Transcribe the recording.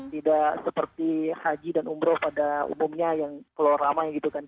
tidak seperti haji dan umroh pada umumnya yang keluar ramai gitu kan